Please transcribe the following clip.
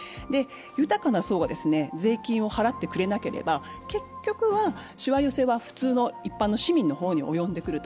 豊かな層が税金を払ってくれなければ、結局はしわ寄せは普通の一般の市民の方に及んでくると。